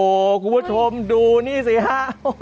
โอ้โหคุณผู้ชมดูนี่สิฮะ